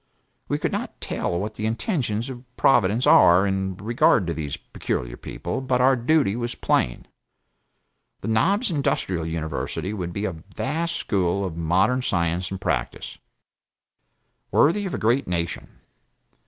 We could not tell what the intentions of Providence are in regard to these peculiar people, but our duty was plain. The Knobs Industrial University would be a vast school of modern science and practice, worthy of a great nation.